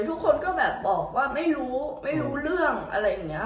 ทุกคนก็แบบบอกว่าไม่รู้เรื่องอะไรอย่างนี้ค่ะ